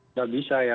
tidak bisa ya